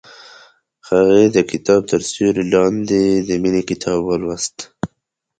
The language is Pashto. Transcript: هغې د کتاب تر سیوري لاندې د مینې کتاب ولوست.